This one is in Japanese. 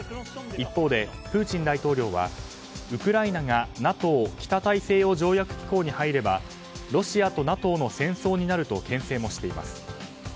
一方でプーチン大統領はウクライナがＮＡＴＯ・北大西洋条約機構に入ればロシアとＮＡＴＯの戦争になると牽制もしています。